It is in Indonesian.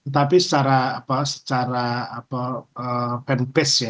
tapi secara fanbase ya